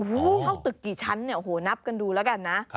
เข้าตึกกี่ชั้นเนี่ยโอ้โหนับกันดูแล้วกันนะ